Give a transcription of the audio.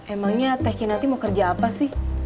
emangnya teki nanti mau kerja apa sih